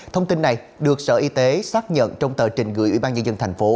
thông tin này được sở y tế xác nhận trong tờ trình gửi ủy ban nhân dân thành phố